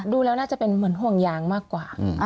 ดูแล้วน่าจะเป็นเหมือนห่วงยางมากกว่า